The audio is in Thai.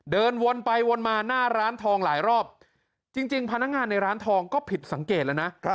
เดินวนไปวนมาหน้าร้านทองหลายรอบจริงพนักงานในร้านทองก็ผิดสังเกตแล้วนะ